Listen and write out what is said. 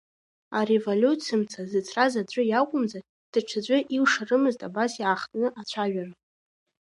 Ареволиуциа мца зыцраз аӡәы иакәымзар, даҽаӡәы илшарымызт абас иаахтны ацәажәара.